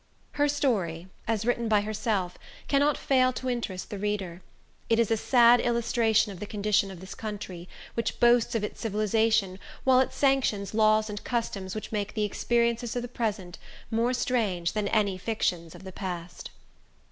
Her story, as written by herself, cannot fail to interest the reader. It is a sad illustration of the condition of this country, which boasts of its civilization, while it sanctions laws and customs which make the experiences of the present more strange than any fictions of the past.